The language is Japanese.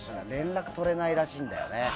連絡取れないらしいんだよね。